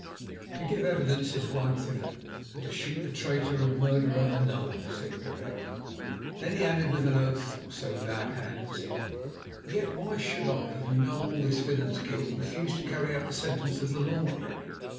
"To give evidence is one thing, and to shoot the traitor and murderer another," said Pereira. Then he added with an oath, or so vowed Hans: "Yet why should I, who know all this villain's guilt, refuse to carry out the sentence of the law on him?